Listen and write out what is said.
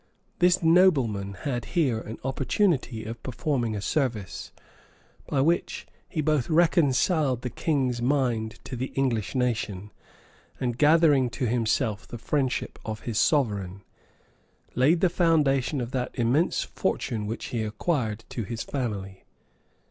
This nobleman had here an opportunity of performing a service, by which he both reconciled the king's mind to the English nation, and gaining to himself the friendship of his sovereign, laid the foundation of that immense fortune which he acquired to his family.